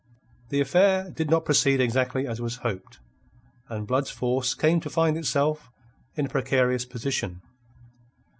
The affair did not proceed exactly as was hoped, and Blood's force came to find itself in a precarious position.